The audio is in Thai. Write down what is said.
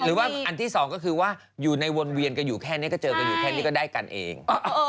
อันที่สองก็คือว่าอยู่ในวนเวียนกันอยู่แค่นี้ก็เจอกันอยู่แค่นี้ก็ได้กันเอง